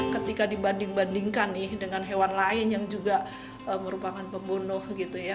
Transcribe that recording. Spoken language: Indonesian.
ketika dibanding bandingkan nih dengan hewan lain yang juga merupakan pembunuh gitu ya